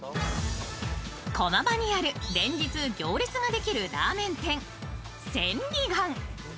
駒場にある連日行列ができるラーメン店・千里眼。